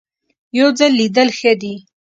یو ځل لیدل ښه دي .